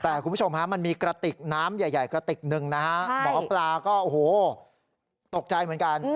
แต่คุณผู้ชมฮะมันมีกระติกน้ำใหญ่กระติกหนึ่งนะฮะหมอปลาก็โอ้โหตกใจเหมือนกัน